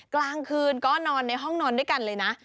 กลางคืนก็นอนในห้องนอนด้วยกันเลยนะ